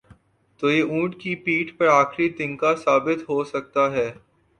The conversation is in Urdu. تو یہ اونٹ کی پیٹھ پر آخری تنکا ثابت ہو سکتا ہے۔